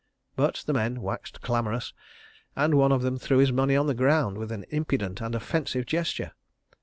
But the men waxed clamorous, and one of them threw his money on the ground with an impudent and offensive gesture.